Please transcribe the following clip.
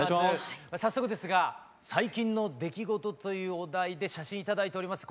早速ですが最近の出来事というお題で写真頂いております。